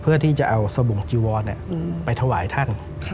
เพื่อที่จะเอาสบงจีวรไปถวายท่าน